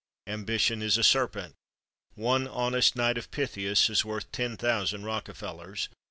Ambition is a serpent. One honest Knight of Pythias is worth ten thousand Rockefellers.